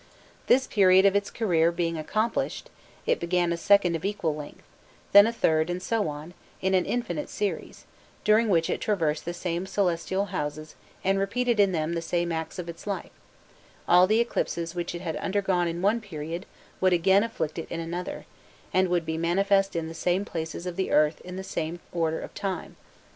This period of its career being accomplished, it began a second of equal length, then a third, and so on, in an infinite series, during which it traversed the same celestial houses and repeated in them the same acts of its life: all the eclipses which it had undergone in one period would again afflict it in another, and would be manifest in the same places of the earth in the same order of time.